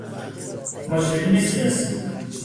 مجرمین سیاسی